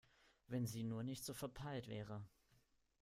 Wenn sie nur nicht so verpeilt wäre!